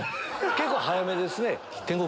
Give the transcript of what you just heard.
結構早めですね。